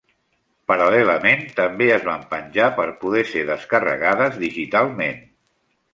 Paral·lelament també es van penjar per poder ser descarregades digitalment.